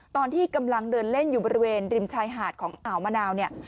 ตอนที่กำลังเดินเล่นอยู่บริเวณริมชายหาดของอ่าวมะนาวเนี่ย